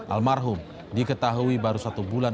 almarhum diketahui baru satu bulan